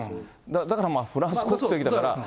だから、フランス国籍だから。